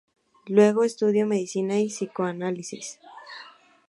Luego estudió medicina y psicoanálisis.